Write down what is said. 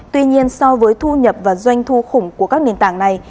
tuy nhiên so với thu nhập và doanh thu khủng của các nền tảng này